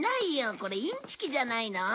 これインチキじゃないの？